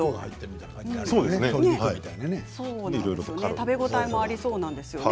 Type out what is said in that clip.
食べ応えもありそうなんですよね。